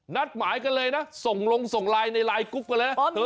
นัดหมายกันเลยนะส่งลงส่งลายในลายกุ๊บกันแหละ